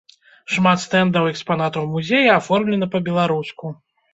Шмат стэндаў экспанатаў музея аформлена па-беларуску.